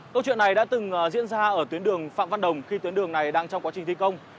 câu chuyện này đã từng diễn ra ở tuyến đường phạm văn đồng khi tuyến đường này đang trong quá trình thi công